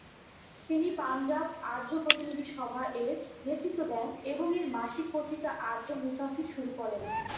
তিনি 'পাঞ্জাব আর্য প্রতিনিধি সভা' -এর নেতৃত্ব দেন এবং এর মাসিক পত্রিকা আর্য মুসাফির শুরু করেন।